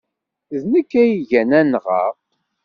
D nekk ay igan anɣa.